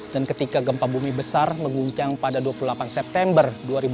ketika gempa bumi besar mengguncang pada dua puluh delapan september dua ribu dua puluh